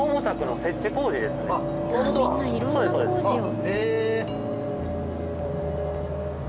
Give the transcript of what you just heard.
みんないろんな工事を。